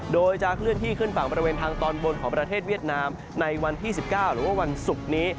โดยจะเคลื่อนที่ขึ้นฝั่งบริเวณทางตอนบนของประเทศเวียดนามในวันที่๑๙หรือว่าวันศุกร์นี้